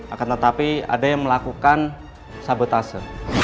akan tetapi ada yang melakukan sabotase